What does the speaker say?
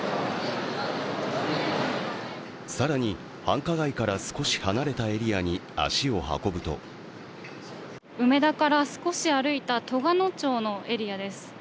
更に、繁華街から少し離れたエリアに足を運ぶと梅田から少し歩いた兎我野町のエリアです。